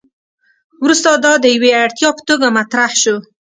وروسته دا د یوې اړتیا په توګه مطرح شو.